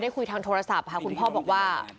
ได้คุยทางโทรศัพท์คุณพ่อบอกว่า